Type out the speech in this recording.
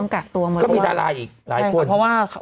ก็มีดาราอีกหลายคน